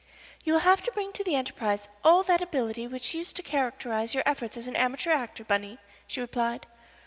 "You will have to bring to the enterprise all that ability which used to characterize your efforts as an amateur actor, Bunny," she replied.